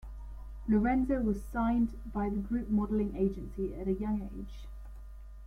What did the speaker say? Lorenzo was signed by the Group modeling agency at a young age.